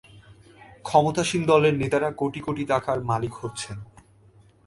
ক্ষমতাসীন দলের নেতারা কোটি কোটি টাকার মালিক হচ্ছেন।